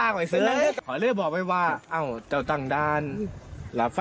ต่อไปที่รถกันถึงมาเวลาอย่างงี้